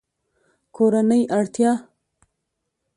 کورنۍ اړتیا